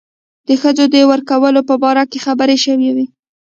د ښځو د ورکولو په باره کې خبرې شوې وې.